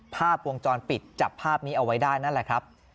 ภาพวงจรปิดจับภาพนี้เอาไว้ได้นั่นแหละครับ